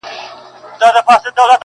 o زړه په پیوند دی.